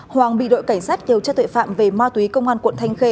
hoàng bị đội cảnh sát kêu cho tuệ phạm về ma túy công an quận thanh khê